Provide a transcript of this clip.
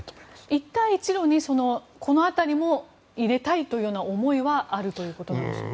一帯一路にこの辺りも入れたいという思いはあるということなんでしょうか。